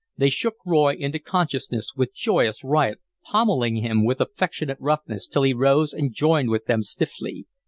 They shook Roy into consciousness with joyous riot, pommelling him with affectionate roughness till he rose and joined with them stiffly.